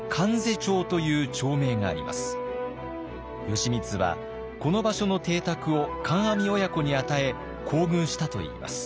義満はこの場所の邸宅を観阿弥親子に与え厚遇したといいます。